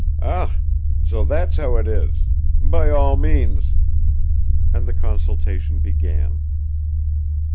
"Ah! so that's how it is ... by all means ..." And the consultation began.